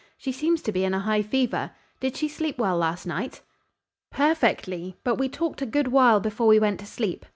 "She seems to be in a high fever. Did she sleep well last night?" "Perfectly, but we talked a good while before we went to sleep.